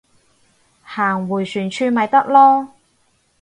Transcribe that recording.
行迴旋處咪得囉